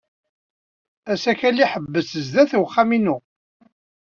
Asakal iḥebbes sdat uxxam-inu.